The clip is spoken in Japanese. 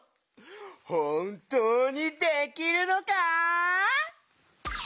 ほんとうにできるのか？